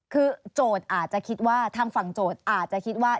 คือโจทย์อาจจะคิดว่าทางฝั่งโจทย์อาจจะคิดว่า